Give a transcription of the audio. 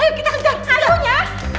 ayo kita kejalan dulu ya